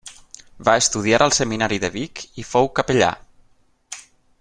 Va estudiar al Seminari de Vic i fou capellà.